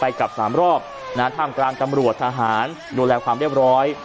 กลับสามรอบนะฮะท่ามกลางตำรวจทหารดูแลความเรียบร้อย